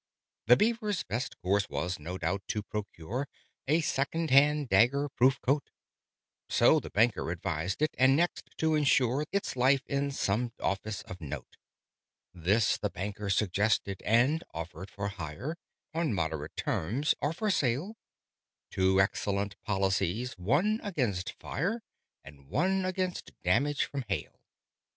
The Beaver's best course was, no doubt, to procure A second hand dagger proof coat So the Baker advised it and next, to insure Its life in some Office of note: This the Banker suggested, and offered for hire (On moderate terms), or for sale, Two excellent Policies, one Against Fire, And one Against Damage From Hail.